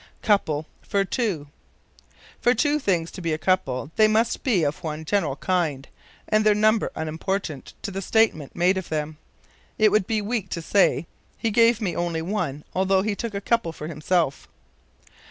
Couple for Two. For two things to be a couple they must be of one general kind, and their number unimportant to the statement made of them. It would be weak to say, "He gave me only one, although he took a couple for himself."